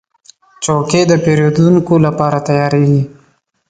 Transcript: چوکۍ د پیرودونکو لپاره تیارېږي.